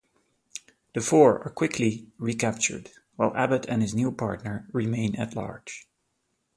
The four are quickly recaptured, while Abbott and his new partner remain at large.